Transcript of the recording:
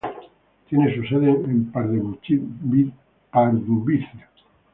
Tiene su sede en Pardubice.